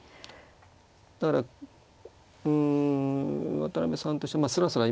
だからうん渡辺さんとしてスラスラ